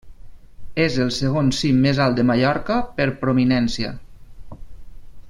És el segon cim més alt de Mallorca per prominència.